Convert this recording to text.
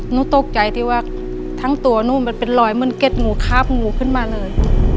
หนูตกใจที่ว่าทั้งตัวหนูมันเป็นรอยเหมือนเก็ดงูคาบงูขึ้นมาเลย